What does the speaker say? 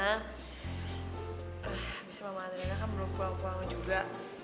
abis mama adriana kan belum pulang pulang juga